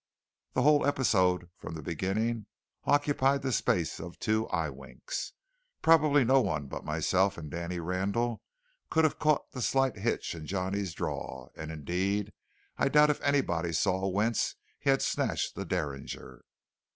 The whole episode from the beginning occupied the space of two eye winks. Probably no one but myself and Danny Randall could have caught the slight hitch in Johnny's draw; and indeed I doubt if anybody saw whence he had snatched the derringer.